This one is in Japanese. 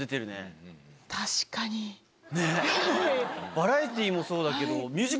バラエティーもそうだけど。